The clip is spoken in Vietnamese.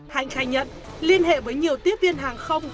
thanh khai nhận liên hệ với nhiều tiếp viên hàng không